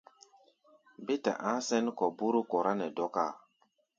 Bé ta a̧á̧ sɛ̌n kɔ̧ bóró kɔrá nɛ dɔ́káa.